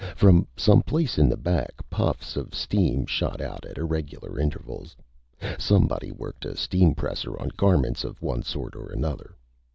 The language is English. From some place in the back, puffs of steam shot out at irregular intervals. Somebody worked a steampresser on garments of one sort or another.